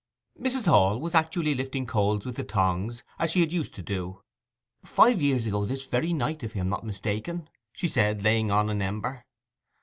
Mrs. Hall was actually lifting coals with the tongs, as she had used to do. 'Five years ago this very night, if I am not mistaken—' she said, laying on an ember.